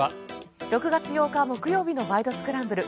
６月８日、木曜日の「ワイド！スクランブル」。